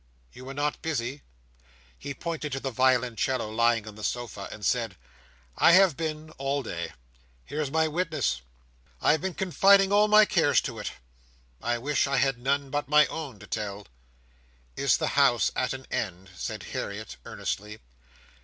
"You were not busy?" He pointed to the violoncello lying on the sofa, and said "I have been, all day. Here's my witness. I have been confiding all my cares to it. I wish I had none but my own to tell." "Is the House at an end?" said Harriet, earnestly.